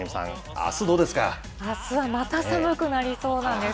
あすはまた寒くなりそうなんです。